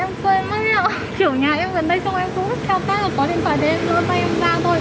em mất điện thoại kiểu nhà em gần đây xong em cũng theo cách là có điện thoại để em đưa tay em ra thôi chứ em không cố lý đâu